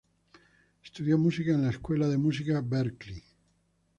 Estudió música en la Escuela de Música Berklee.